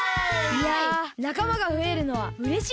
いやなかまがふえるのはうれしいなあ。